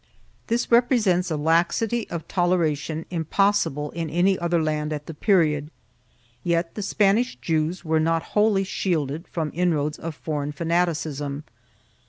5 This represents a laxity of toleration impossible in any other land at the period, yet the Spanish Jews were not wholly shielded from inroads of foreign fanaticism.